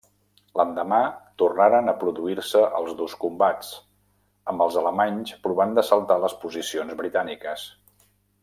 L'endemà tornaren a produir-se els durs combats, amb els alemanys provant d'assaltar les posicions britàniques.